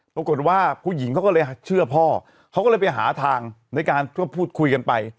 ผู้หญิงเขาก็เลยเชื่อพ่อเขาก็เลยไปหาทางในการพูดคุยกันไป